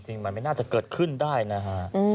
จริงมันไม่น่าจะเกิดขึ้นได้นะฮะ